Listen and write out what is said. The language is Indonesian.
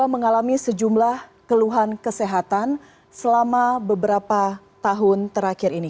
mengalami sejumlah keluhan kesehatan selama beberapa tahun terakhir ini